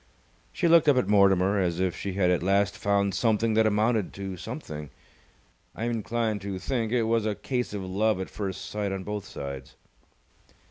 She looked up at Mortimer as if she had at last found something that amounted to something. I am inclined to think it was a case of love at first sight on both sides.